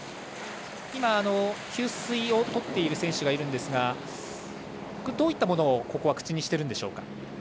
給水を取っている選手がいましたがどういったものをここは口にしているんでしょう？